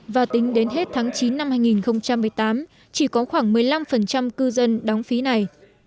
và tính đến hết tháng chín năm hai nghìn một mươi tám chỉ có khoảng một mươi năm cư dân đóng phí này